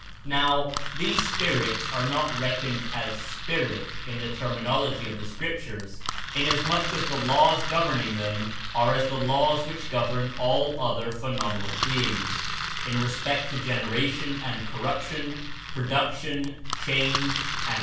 "Now, these 'spirits' are not reckoned as 'Spirit' in the terminology of the Scriptures, inasmuch as the laws governing them are as the laws which govern all other phenomenal beings* in respect ^^^ to generation and corruption, produc Dead